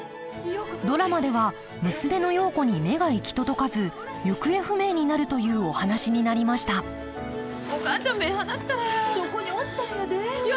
ドラマでは娘の陽子に目が行き届かず行方不明になるというお話になりましたお母ちゃん目ぇ離すからや。